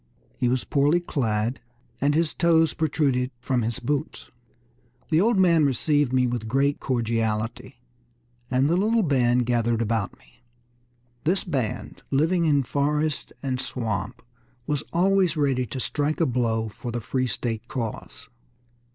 He was poorly clad, and his toes protruded from his boots. The old man received me with great cordiality, and the little band gathered about me." This band, living in forest and swamp, was always ready to strike a blow for the free state cause.